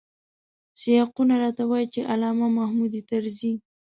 سیاقونه راته وايي چې علامه محمود طرزی.